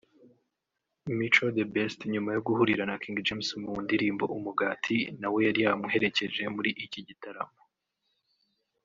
Mico The Best nyuma yo guhurira na King James mu ndirimbo 'Umugati' nawe yari yamuherekeje muri iki gitaramo